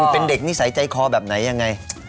เป็นเด็กนิสัยใจคอแบบไหนยังไง